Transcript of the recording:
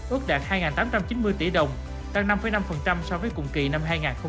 ước đạt hai tám trăm chín mươi tỷ đồng tăng năm năm so với cùng kỳ năm hai nghìn một mươi tám